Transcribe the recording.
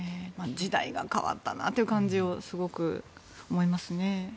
時代が変わったなという感じをすごく思いますね。